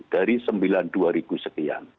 dari sembilan dua ribu sekian